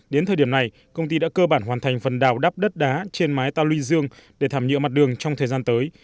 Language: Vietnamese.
đến thời điểm này công ty đã cơ bản hoàn thành phần đào đắp đất đá trên mái tàu luy dương để thảm nhựa mặt đường trong thời gian tới